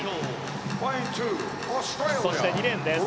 そして２レーンです。